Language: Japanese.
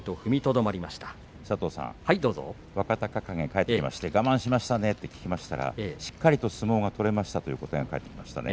若隆景が返っていました我慢しましたねと聞きましたらしっかりと相撲が取れましたという答えが返ってきました。